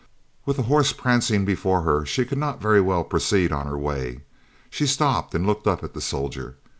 With the horse prancing before her, she could not very well proceed on her way. She stopped and looked up at the soldier.